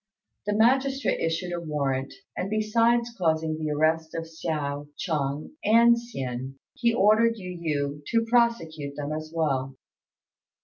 The magistrate issued a warrant; and, besides causing the arrest of Hsiao, Chung, and Hsin, he ordered Yu yü to prosecute them as well.